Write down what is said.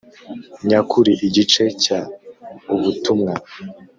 nyakuri Igice cya Ubutumwa